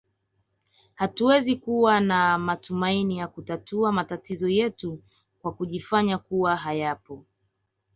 Hatuwezi kuwa na matumaini ya kutatua matatizo yetu kwa kujifanya kuwa hayapo